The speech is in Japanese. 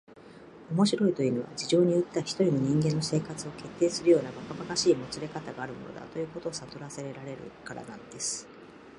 「面白いというのは、事情によっては一人の人間の生活を決定するようなばかばかしいもつれかたがあるものだ、ということをさとらせられるからなんです」